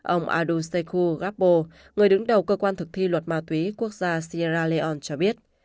ông aduseku gappo người đứng đầu cơ quan thực thi luật ma túy quốc gia sierra leone cho biết